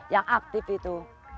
yang aktif itu